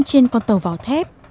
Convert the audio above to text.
trên con tàu vào thép